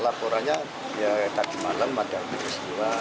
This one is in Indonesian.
laporannya tadi malam ada berisiwa